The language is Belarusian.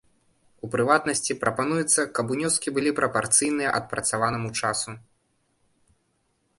У прыватнасці, прапануецца, каб унёскі былі прапарцыйныя адпрацаванаму часу.